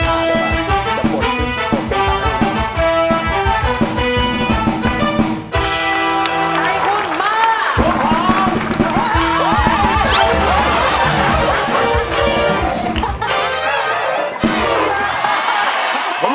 ไขคุณมา